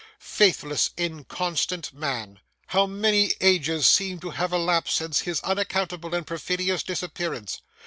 Faithless, inconstant man! How many ages seem to have elapsed since his unaccountable and perfidious disappearance!